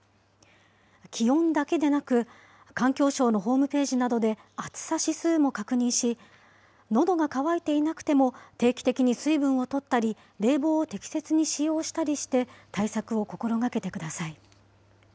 気温だけでなく、環境省のホームページなどで暑さ指数も確認し、のどが渇いていなくても定期的に水分をとったり、冷房を適切に使用したりして、対策を心がけてください。